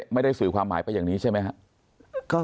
ไม่ได้สื่อความหมายไปอย่างนี้ใช่ไหมครับ